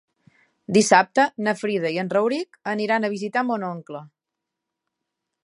Dissabte na Frida i en Rauric aniran a visitar mon oncle.